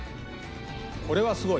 これはすごい。